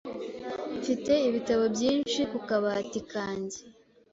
Mfite ibitabo byinshi ku kabati kanjye.